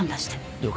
了解。